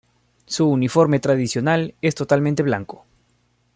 Su uniforme tradicional es totalmente blanco.